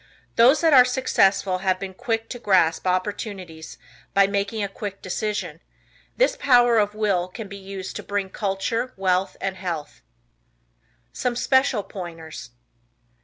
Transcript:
Those that are successful have been quick to grasp opportunities by making a quick decision. This power of will can be used to bring culture, wealth and health. Some Special Pointers.